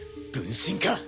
分身か！